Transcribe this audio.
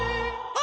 あ！